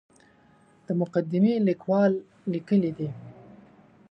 د مقدمې لیکوال لیکلي دي.